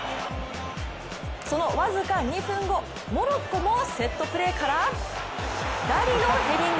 その僅か２分後、モロッコもセットプレーからダリのヘディング。